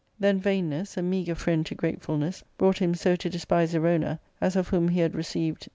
"Then vainness, a meagre friend to gratefulness, brought him so to despise Erona, as of whom he had received np 234 ARCADIA.